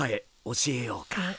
教えようか。